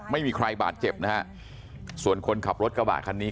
ไม่มีใครบาดเจ็บนะฮะส่วนคนขับรถกระบะคันนี้